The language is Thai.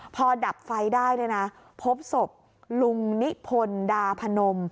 พอดับไฟได้เนี่ยนะพบศพลุงนิพนธ์ดาพนม